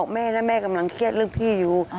แม่นะแม่กำลังเครียดเรื่องพี่อยู่